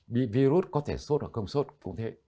bị virus có thể sốt hoặc không sốt cũng thế